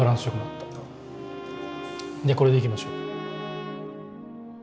じゃあこれでいきましょう。